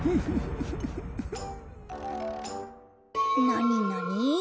なになに？